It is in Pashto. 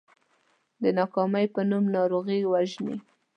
د ناکامۍ په نوم ناروغي ووژنئ .